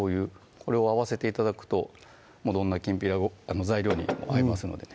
これを合わせて頂くとどんな材料にも合いますのでね